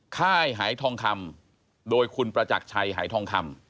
ค่ายหายทองคำโดยคุณประจักรชัยหายทองคำ